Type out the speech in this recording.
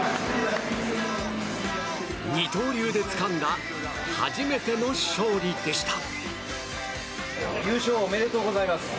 二刀流でつかんだ初めての勝利でした。